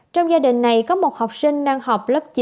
trong gia đình này có một học sinh đang học lớp chín